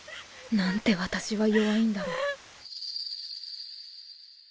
なんて私は弱いんだろう